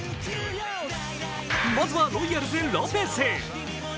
まずはロイヤルズ・ロペス。